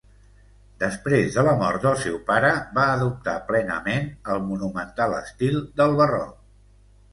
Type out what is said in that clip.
Després de la mort del seu pare, va adoptar plenament el monumental estil del barroc.